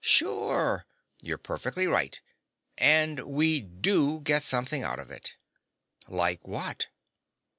Sure. You're perfectly right. And we do get something out of it." "Like what?"